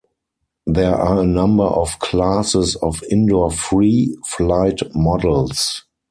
There are a number of classes of indoor free flight models.